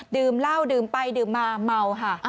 ดื่มเหล้าดื่มไปดื่มมาเมาค่ะ